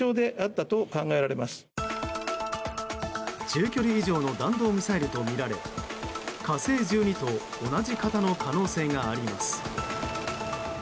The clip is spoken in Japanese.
中距離以上の弾道ミサイルとみられ「火星１２」と同じ型の可能性があります。